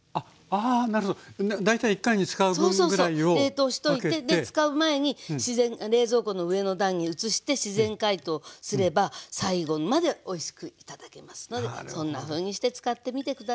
冷凍しといて使う前に冷蔵庫の上の段に移して自然解凍すれば最後までおいしく頂けますのでそんなふうにして使ってみて下さい。